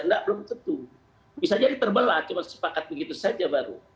enggak belum tentu bisa jadi terbelah cuma sepakat begitu saja baru